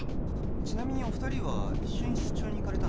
ちなみにお二人は一緒に出張に行かれた？